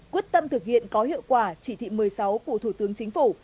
quyết tâm thực hiện có hiệu quả chỉ thị một mươi sáu của thủ tướng chính phủ